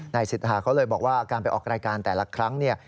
นายศิษฐาเขาเลยบอกว่าการไปออกรายการแต่ละครั้ง